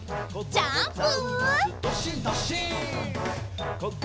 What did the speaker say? ジャンプ！